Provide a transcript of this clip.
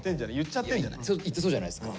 ちょっと言ってそうじゃないですか。